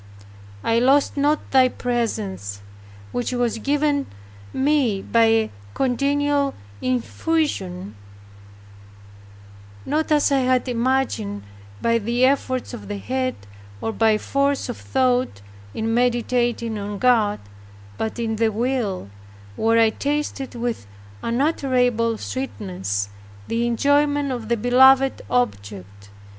I lost not Thy presence, which was given me by a continual infusion, not as I had imagined, by the efforts of the head, or by force of thought in meditating on God, but in the will, where I tasted with unutterable sweetness the enjoyment of the beloved object.